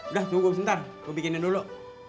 udah tunggu sebentar gue bikinnya dulu